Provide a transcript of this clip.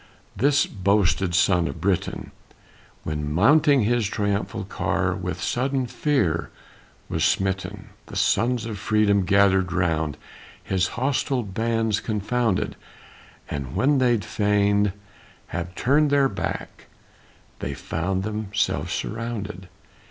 This boasted son of Britain, When mounting his triumphal car, With sudden fear was smitten. The sons of Freedom gathered round, His hostile bands confounded, And when they'd fain have turned their back They found themselves surrounded!